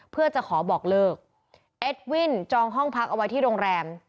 เพื่อจะขอบอกเลิกเอ็ดวินจองห้องพักเอาไว้ที่โรงแรม